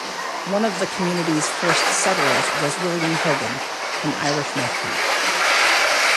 One of the communities first settlers was William Hogan, an Irish merchant.